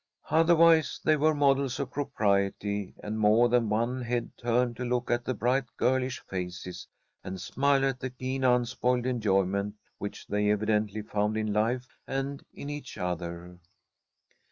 Otherwise they were models of propriety, and more than one head turned to look at the bright girlish faces, and smile at the keen, unspoiled enjoyment which they evidently found in life and in each other.